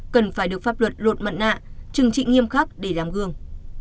cần phải được pháp luật lột mặt nạ trừng trị nghiêm khắc để làm gương